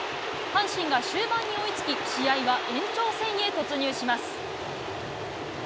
阪神が終盤に追いつき、試合は延長戦へ突入します。